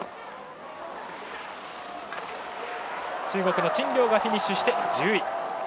中国の陳亮がフィニッシュして１０位。